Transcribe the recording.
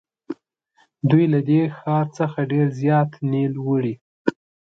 دوی له دې ښار څخه ډېر زیات نیل وړي.